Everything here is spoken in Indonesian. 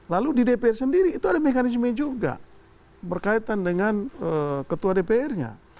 lalu di dpr sendiri itu ada mekanisme juga berkaitan dengan ketua dpr nya